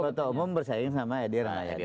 kota umum bersaing sama edi rahmayadi